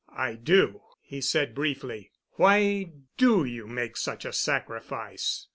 "I do," he said briefly. "Why do you make such a sacrifice?"